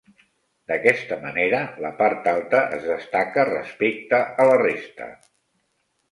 D'aquesta manera la part alta es destaca respecte a la resta.